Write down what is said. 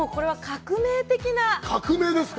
革命ですか。